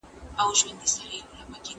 ¬ دا حال دئ، چي پر غوايي جوال دئ.